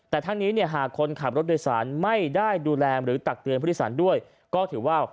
แต่ทั้งนี้เนี่ยหากคนขับรถพฤติศาลไม่ได้ดูแลหรือตักเตือนพฤติศาลก็ถือว่า